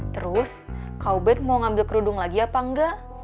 terus kau bet mau ngambil kerudung lagi apa nggak